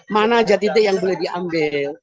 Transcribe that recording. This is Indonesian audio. mana aja titik yang boleh diambil